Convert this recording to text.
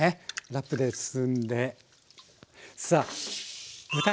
ラップで包んで。さあ。